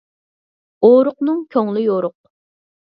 ئورۇقنىڭ كۆڭلى يورۇق.